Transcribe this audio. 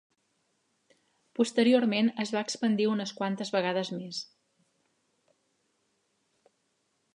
Posteriorment es va expandir unes quantes vegades més.